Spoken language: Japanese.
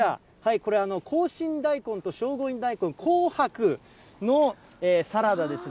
これ、紅芯大根と聖護院大根、紅白のサラダですね。